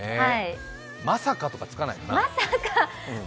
「まさか」とかつかないかな。